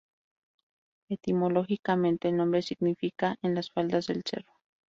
Etimológicamente, el nombre significa 'en las faldas del cerro'.